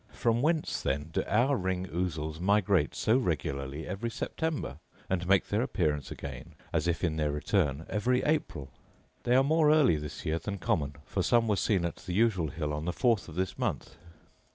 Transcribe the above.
From whence, then, do our ring ousels migrate so regularly every September, and make their appearance again, as if in their return, every April? They are more early this year than common, for some were seen at the usual hill on the fourth of this month.